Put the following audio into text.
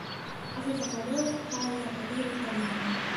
Aveva valore pari alla lira italiana.